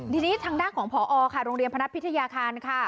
ทีนี้ทางด้านของพอค่ะโรงเรียนพนัทพิทยาคารค่ะ